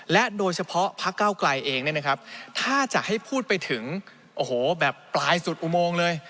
และโดยเฉพาะพักเก้าไกลเองถ้าจะให้พูดไปถึงโอ้โหแบบปลายสุดอุโมงเลย